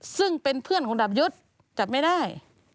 ซึ่งเป็นเพื่อนของดาบยศจับไม่ได้